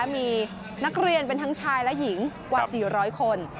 มีนักเรียนเป็นทั้งชายและหญิงกว่า๔๐๐คน